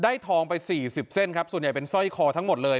ทองไป๔๐เส้นครับส่วนใหญ่เป็นสร้อยคอทั้งหมดเลย